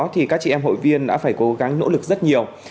thì các chị em hội viên đã phải cố gắng nỗ lực rất nhiều